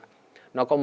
nó có mấy cái câu hỏi là